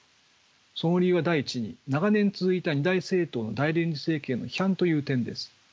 その理由は第一に長年続いた二大政党の大連立政権への批判という点です。